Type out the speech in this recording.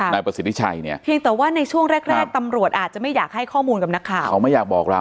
ในประสิทธิ์ที่ใช่เนี่ย